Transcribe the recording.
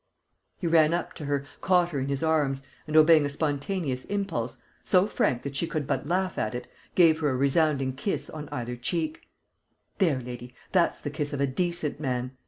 He ran up to her, caught her in his arms and, obeying a spontaneous impulse, so frank that she could but laugh at it, gave her a resounding kiss on either cheek: "There, lady, that's the kiss of a decent man!